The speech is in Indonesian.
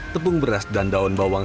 tepung beras dan daun bawang